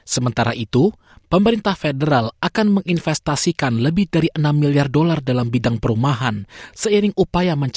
sementara itu pemerintah federal akan menginvestasikan lebih dari enam miliar dolar dalam bidang perumahan